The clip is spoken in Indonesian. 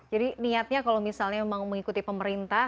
jadi niatnya kalau misalnya mengikuti pemerintah